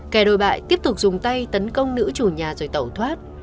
kẻ đồi bại tiếp tục dùng tay tấn công nữ chủ nhà rồi tẩu thoát